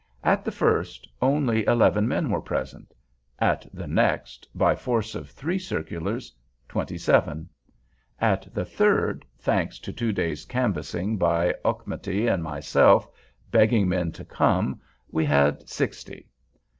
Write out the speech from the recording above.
At the first only eleven men were present; at the next, by force of three circulars, twenty seven; at the third, thanks to two days' canvassing by Auchmuty and myself, begging men to come, we had sixty.